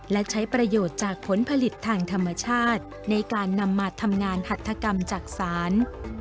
และใช้ประโยชน์จากผลผลิตทางธรรมชาติในการนำมาทำงานหัตถกรรมจักษาน